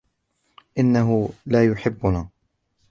إنه لا يحبنا.